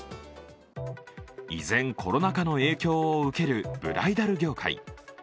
依然コロナ禍の影響を受けるブライダル業界。